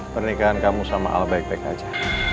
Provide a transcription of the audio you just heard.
pernikahan kamu sama al baik baik aja